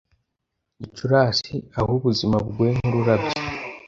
Gicurasi Ah ubuzima bugoye nkururabyo